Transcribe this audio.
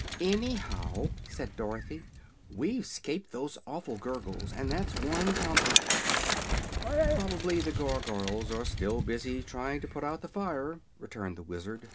"Anyhow," said Dorothy, "we've 'scaped those awful Gurgles, and that's one comfort!" [Illustration: "WHY IT'S A DRAGON!"] "Probably the Gargoyles are still busy trying to put out the fire," returned the Wizard.